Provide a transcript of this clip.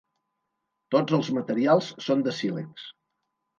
Tots els materials són de sílex.